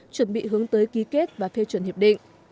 chuẩn bị hướng tới ký kết và phê chuẩn hiệp định